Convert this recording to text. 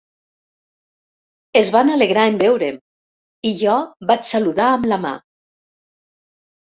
Es van alegrar en veure'm, i jo vaig saludar amb la mà.